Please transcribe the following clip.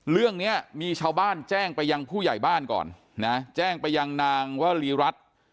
เรื่องนี้มีชาวบ้านแจ้งไปยังผู้ใหญ่บ้านก่อนนะแจ้งไปยังนางวรีรัฐ